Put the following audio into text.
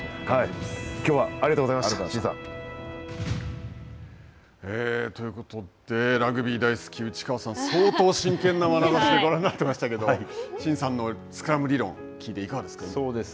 きょうはありがとうございましということで、ラグビー大好き内川さん、相当真剣なまなざしでご覧になってましたけど慎さんのスクラム理論、聞いて、いかがですか。